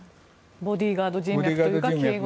ボディーガード人脈というか、警護人脈。